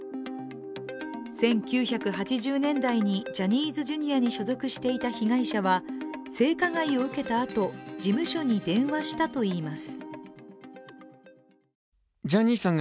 １９８０年代にジャニーズＪｒ．に所属していた被害者は、性加害を受けたあと、事務所に電話したといいます。